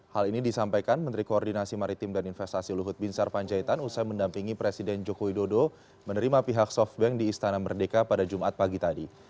hal ini disampaikan menteri koordinasi maritim dan investasi luhut bin sarpanjaitan usai mendampingi presiden joko widodo menerima pihak softbank di istana merdeka pada jumat pagi tadi